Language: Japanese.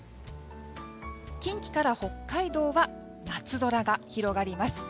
近畿から北海道は夏空が広がります。